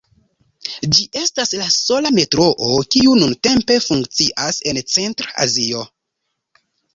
Ĝi estas la sola metroo kiu nuntempe funkcias en Centra Azio.